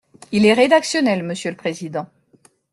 Il est rédactionnel, monsieur le président.